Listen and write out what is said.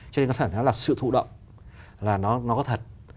cho nên có thể nói là sự thụ động là nó có thật